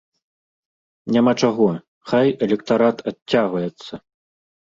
Няма чаго, хай электарат адцягваецца!